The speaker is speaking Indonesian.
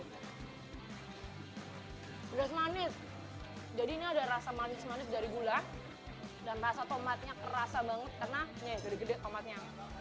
pedes manis jadi ada rasa manis manis dari gula dan rasa tomatnya kerasa banget karena